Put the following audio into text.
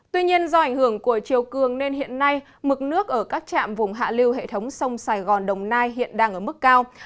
tuy nhiên do ảnh hưởng của chiều cường nên hiện nay mực nước ở các trạm vùng hạ lưu hệ thống sông sài gòn đồng nai hiện đang ở mức cao